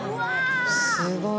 すごい。